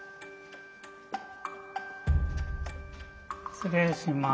失礼します。